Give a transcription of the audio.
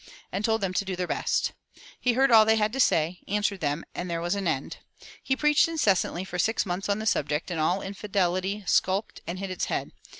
and told them to do their best. He heard all they had to say, answered them, and there was an end. He preached incessantly for six months on the subject, and all infidelity skulked and hid its head.